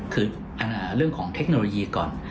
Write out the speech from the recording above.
คือเรื่องของเทคโนโลยีก่อน